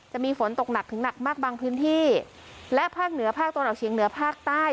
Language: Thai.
จะมีฝนตกหนักถึงหนักมากบางพื้นที่และภาคเหนือภาคตะวันออกเฉียงเหนือภาคใต้